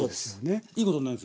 いいことになるんですよ。